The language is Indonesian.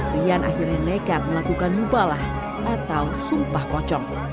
rian akhirnya nekat melakukan mubalah atau sumpah pocong